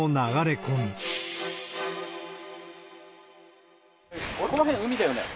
ここら辺、海だよね。